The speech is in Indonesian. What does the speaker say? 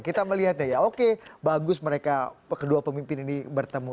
kita melihatnya ya oke bagus mereka kedua pemimpin ini bertemu